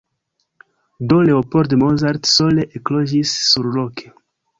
Do Leopold Mozart sole ekloĝis surloke.